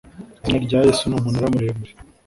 izina rya yesu nu munara muremure